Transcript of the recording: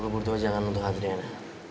lo berdua jangan nuntuk adriana